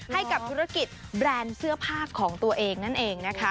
ให้กับธุรกิจแบรนด์เสื้อผ้าของตัวเองนั่นเองนะคะ